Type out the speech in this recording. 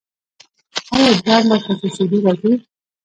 ایا ادرار مو په څڅیدو راځي؟